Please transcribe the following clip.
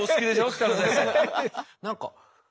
北野先生。